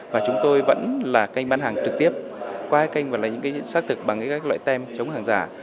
và chúng tôi vẫn là kênh bán hàng trực tiếp qua các kênh và xác thực bằng các loại tem chống hàng giả